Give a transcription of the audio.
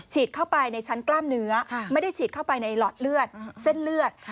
เข้าไปในชั้นกล้ามเนื้อไม่ได้ฉีดเข้าไปในหลอดเลือดเส้นเลือด